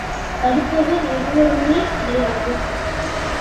தடுப்பவர் ஒருவருமே கிடையாது.